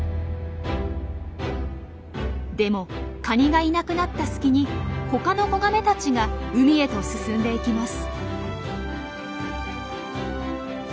でもカニがいなくなった隙に他の子ガメたちが海へと進んでいきます。